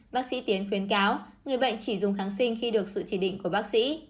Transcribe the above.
bác sĩ tiến khuyến cáo người bệnh chỉ dùng kháng sinh khi được sự chỉ định của bác sĩ